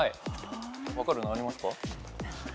分かるのありますか？